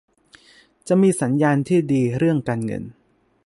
จะมีสัญญาณที่ดีเรื่องการเงิน